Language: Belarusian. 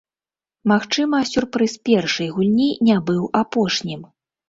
Магчыма, сюрпрыз першай гульні не быў апошнім.